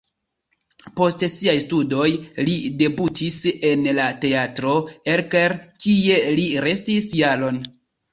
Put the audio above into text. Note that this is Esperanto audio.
Post siaj studoj li debutis en la Teatro Erkel, kie li restis jaron.